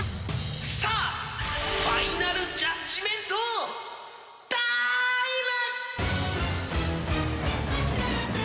さあファイナルジャッジメントターイム！